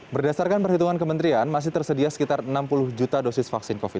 berdasarkan perhitungan kementerian masih tersedia sekitar enam puluh juta dosis vaksin covid sembilan belas